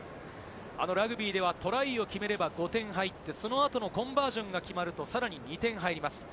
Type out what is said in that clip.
ラグビーではトライを決めれば５点入って、その後のコンバージョンが決まると、さらに２点入ります。